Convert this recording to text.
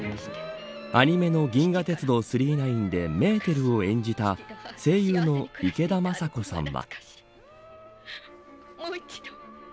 アニメの銀河鉄道９９９でメーテルを演じた声優の池田昌子さんは。